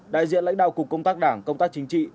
đại diện lãnh đạo cục công tác đảng công tác chính trị